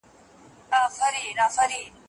د پوهنتونونو دا اصول باید په سمه توګه رعایت سي.